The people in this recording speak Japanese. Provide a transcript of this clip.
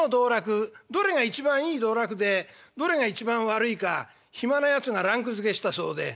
どれが一番いい道楽でどれが一番悪いか暇なやつがランクづけしたそうで。